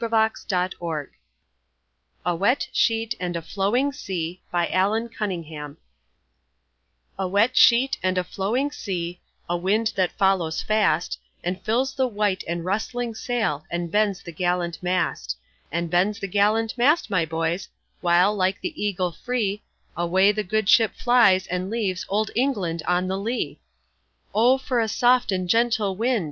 DAVID GARRICK A WET SHEET AND A FLOWING SEA A wet sheet and a flowing sea, A wind that follows fast, And fills the white and rustling sail, And bends the gallant mast; And bends the gallant mast, my boys, While, like the eagle free, Away the good ship flies, and leaves Old England on the lee! "O for a soft and gentle wind!"